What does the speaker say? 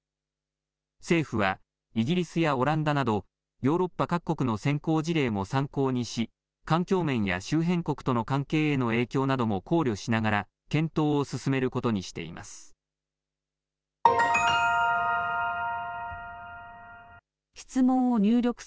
政府はイギリスやオランダなどヨーロッパ各国の先行事例も参考にし環境面や周辺国との関係への影響なども考慮しながら検討を進めることにしています。